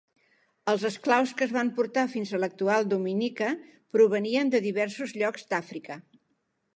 Els esclaus que es van portar fins a l'actual Dominica provenien de diversos llocs d'Àfrica.